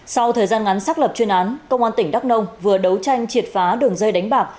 sau thời gian ngắn xác lập chuyên án công an tỉnh đắk nông vừa đấu tranh triệt phá đường dây đánh bạc